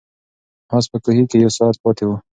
آس په کوهي کې یو ساعت پاتې و.